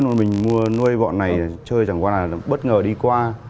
cá nhân mình mua nuôi bọn này chơi chẳng qua nào bất ngờ đi qua